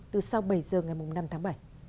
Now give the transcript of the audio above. từ sau bảy h ngày năm tháng bảy